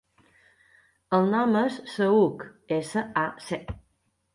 El nom és Saüc: essa, a, ce.